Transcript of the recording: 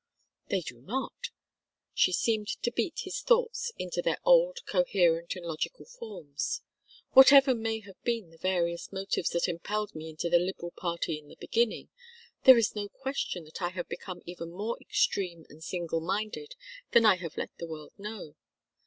"They do not!" She seemed to beat his thoughts into their old coherent and logical forms. "Whatever may have been the various motives that impelled me into the Liberal party in the beginning, there is no question that I have become even more extreme and single minded than I have let the world know.